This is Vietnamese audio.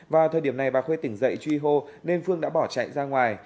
vào thời điểm này bà khuê tỉnh dậy truy hô nên phương đã bỏ chạy ra ngoài